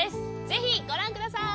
ぜひご覧ください。